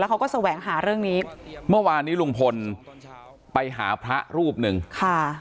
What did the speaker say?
เขาก็แสวงหาเรื่องนี้เมื่อวานนี้ลุงพลไปหาพระรูปหนึ่งค่ะ